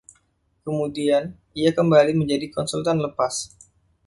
Kemudian, ia kembali menjadi konsultan lepas.